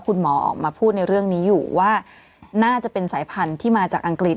คุณหมอออกมาพูดในเรื่องนี้อยู่ว่าน่าจะเป็นสายพันธุ์ที่มาจากอังกฤษ